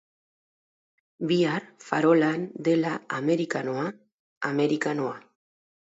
Bihar Farolan dela amerikanoa, amerikanoa.